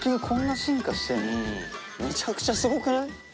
めちゃくちゃすごくない？